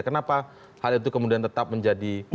kenapa hal itu kemudian tetap menjadi